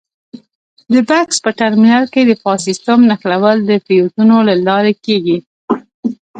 د بکس په ټرمینل کې د فاز سیم نښلول د فیوزونو له لارې کېږي.